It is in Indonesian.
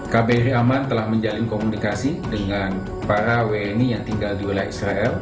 kbri aman telah menjalin komunikasi dengan para wni yang tinggal di wilayah israel